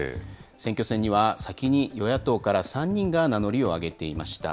選挙戦には先に与野党から３人が名乗りを上げていました。